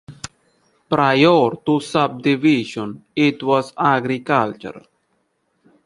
Prior to subdivision, it was agricultural.